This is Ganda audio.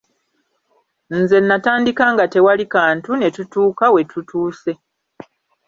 Nze natandika nga tewali kantu ne tutuuka we tutuuse.